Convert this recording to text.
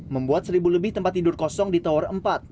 membuat seribu lebih tempat tidur kosong di tower empat